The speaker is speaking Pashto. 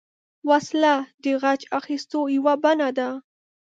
وسله د غچ اخیستو یوه بڼه ده